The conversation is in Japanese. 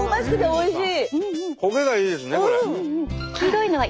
おいしい。